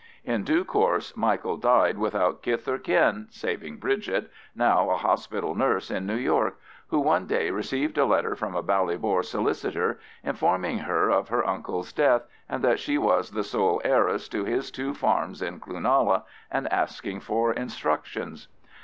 In due course Michael died without kith or kin saving Bridget, now a hospital nurse in New York, who one day received a letter from a Ballybor solicitor informing her of her uncle's death, and that she was the sole heiress to his two farms in Cloonalla, and asking for instructions.